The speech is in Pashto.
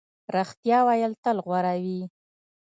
رښتیا ویل تل غوره وي.